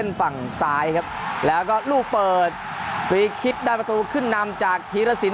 มันเร็วฝั่งซ้ายครับแล้วก็ลูกเปิดคลีกคลิกด้านประตูคึ่นนำจากฮีรสิน